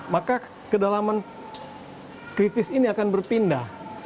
maka kedalaman kritis ini akan berpindah